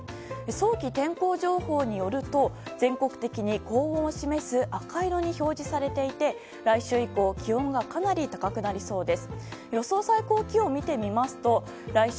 早期天候情報によると全国的に高温を示す赤色に表示されていて来週以降、気温がかなり高くなりそうです。